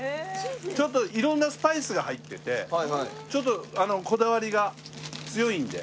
ちょっと色んなスパイスが入っててちょっとこだわりが強いんで。